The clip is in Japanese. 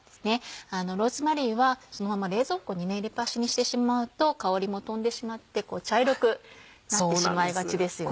ローズマリーはそのまま冷蔵庫に入れっぱなしにしてしまうと香りも飛んでしまって茶色くなってしまいがちですよね。